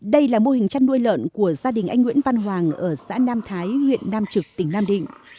đây là mô hình chăn nuôi lợn của gia đình anh nguyễn văn hoàng ở xã nam thái huyện nam trực tỉnh nam định